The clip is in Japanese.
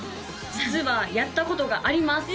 実はやったことがあります！